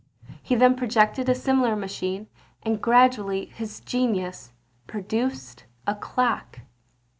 He then projected a similar machine; and gradually his genius produced a clock.